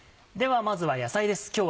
ではまずは野菜です。